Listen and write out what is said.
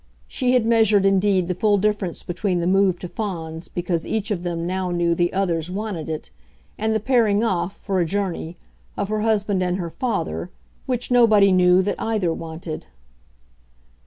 She had measured indeed the full difference between the move to Fawns because each of them now knew the others wanted it and the pairing off, for a journey, of her husband and her father, which nobody knew that either wanted.